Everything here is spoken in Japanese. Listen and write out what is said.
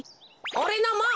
おれのも！